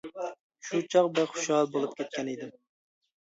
شۇ چاغ بەك خۇشال بولۇپ كەتكەنىدىم.